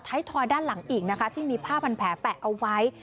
ทอยด้านหลังอีกนะคะที่มีผ้าพันแผลแปะเอาไว้